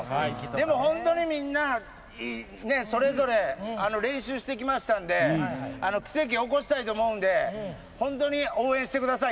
でも本当にみんな、それぞれ練習してきましたんで、奇跡起こしたいと思うんで、本当に応援してください。